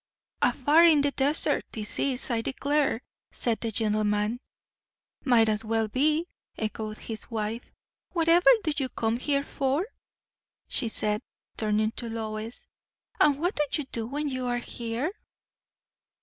"'Afar in the desert,' this is, I declare," said the gentleman. "Might as well be," echoed his wife. "Whatever do you come here for?" she said, turning to Lois; "and what do you do when you are here?"